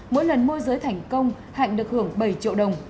mỗi lần mua dưới thành công hạnh được hưởng bảy triệu đồng